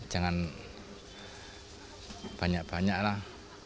jangan banyak banyak lah